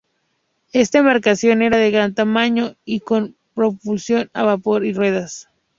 Esta embarcación era de gran tamaño y con propulsión a vapor y ruedas.